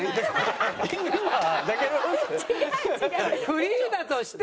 フリーだとして。